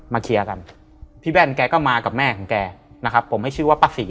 เคลียร์กันพี่แว่นแกก็มากับแม่ของแกนะครับผมให้ชื่อว่าป้าศรี